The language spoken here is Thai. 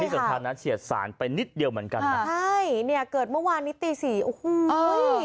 สำคัญนะเฉียดสารไปนิดเดียวเหมือนกันนะใช่เนี่ยเกิดเมื่อวานนี้ตีสี่โอ้โห